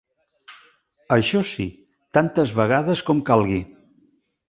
Això sí, tantes vegades com calgui.